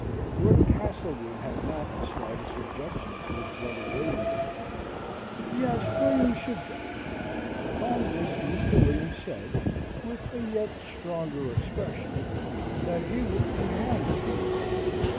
Lord Castlewood had not the slightest objection to his brother William going yes, William should go. Upon this Mr. William said (with a yet stronger expression) that he would be hanged if he would go.